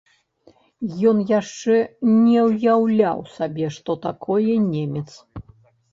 Ён яшчэ не ўяўляў сабе, што такое немец.